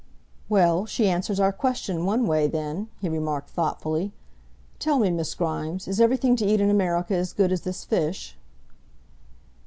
"Well, she answers our question one way, then," he remarked thoughtfully. "Tell me, Miss Grimes, is everything to eat in America as good as this fish?"